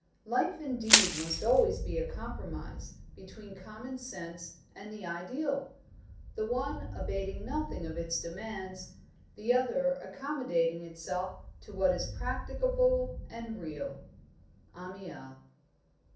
"... Life indeed must always be a compromise between common sense and the ideal, the one abating nothing of its demands, the other accommodating itself to what is practicable and real." Amiel.